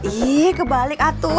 ih kebalik atuh